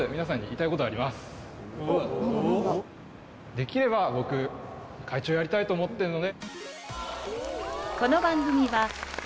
できれば僕会長やりたいと思ってるので。